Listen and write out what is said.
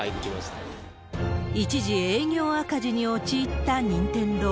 一時、営業赤字に陥った任天堂。